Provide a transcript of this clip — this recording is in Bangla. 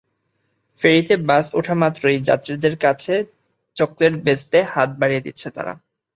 ফেরিতে বাস ওঠামাত্রই যাত্রীদের কাছে চকলেট বেচতে হাত বাড়িয়ে দিচ্ছে তারা।